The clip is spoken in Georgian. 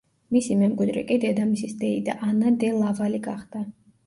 მისი მემკვიდრე კი დედამისის დეიდა, ანა დე ლავალი გახდა.